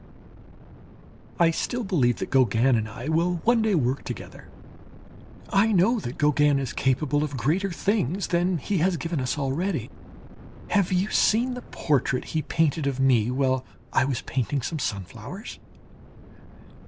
I still believe that Gauguin and I will one day work together. I know that Gauguin is capable of greater things than he has given us already. Have you seen the portrait he painted of me while I was painting some sunflowers?